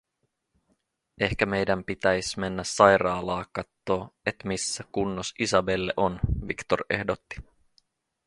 “Ehkä meidän pitäis mennä sairaalaa kattoo, et missä kunnos Isabelle on?”, Victor ehdotti.